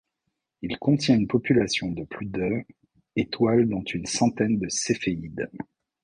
Il contient une population de plus de étoiles dont une centaine de céphéides.